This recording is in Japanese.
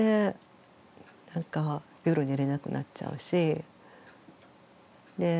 夜寝れなくなっちゃうし。